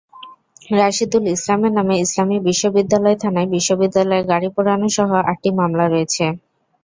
রাশিদুল ইসলামের নামে ইসলামী বিশ্ববিদ্যালয় থানায় বিশ্ববিদ্যালয়ের গাড়ি পোড়ানোসহ আটটি মামলা রয়েছে।